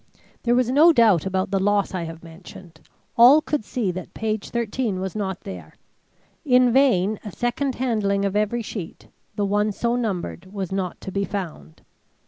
] II There was no doubt about the loss I have mentioned; all could see that page 13 was not there. In vain a second handling of every sheet, the one so numbered was not to be found.